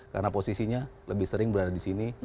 karena posisinya lebih sering berada disini